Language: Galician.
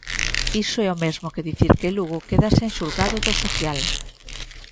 Iso é o mesmo que dicir que Lugo queda sen xulgado do social.